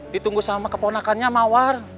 ditunggu sama keponakannya mawar